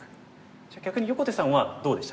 じゃあ逆に横手さんはどうでした？